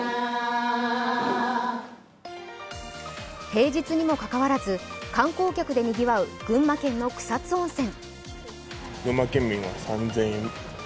平日にもかかわらず、観光客でにぎわう群馬県の草津温泉。